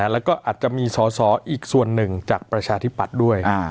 แล้วก็อาจจะมีสอสออีกส่วนหนึ่งจากประชาธิปัตย์ด้วย